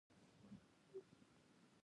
په ښه بیه یې واخلي.